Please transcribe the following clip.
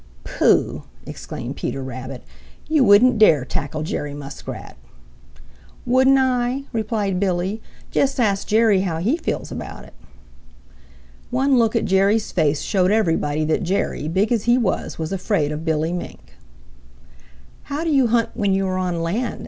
"Pooh!" exclaimed Peter Rabbit. "You wouldn't dare tackle Jerry Muskrat." "Wouldn't I?" replied Billy. "Just ask Jerry how he feels about it." One look at Jerry's face showed everybody that Jerry, big as he was, was afraid of Billy Mink. "How do you hunt when you are on land?"